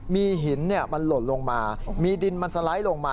มีหินมันหล่นลงมามีดินมันสไลด์ลงมา